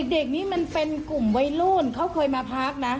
เด็กนี้มันเป็นกลุ่มวัยรุ่นเขาเคยมาพักนะ